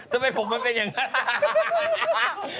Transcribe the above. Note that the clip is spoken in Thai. ทำไมผมมันเป็นอย่างนั้น